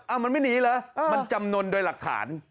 มันไม่หนีเหรอมันจำนวนโดยหลักฐาน